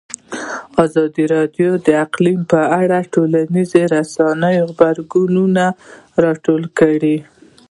ازادي راډیو د اقلیم په اړه د ټولنیزو رسنیو غبرګونونه راټول کړي.